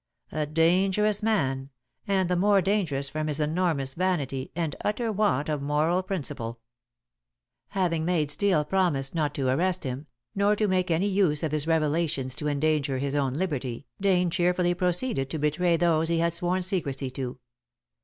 A dangerous man, and the more dangerous from his enormous vanity and utter want of moral principle. Having made Steel promise not to arrest him, nor to make any use of his revelations to endanger his own liberty, Dane cheerfully proceeded to betray those he had sworn secrecy to.